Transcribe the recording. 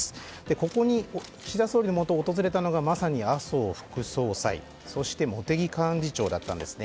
ここに岸田総理のもとを訪れたのが、麻生副総裁そして、茂木幹事長だったんです。